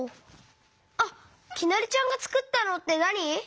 あっきなりちゃんがつくったのってなに？